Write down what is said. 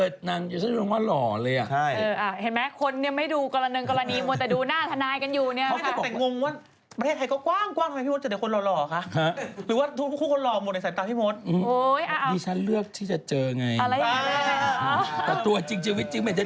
ทนาย้แบบทนายคนนี้ไม่ควรนำคดีให้นะเธอ